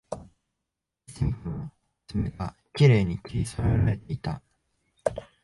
いつ見ても爪がきれいに切りそろえられていた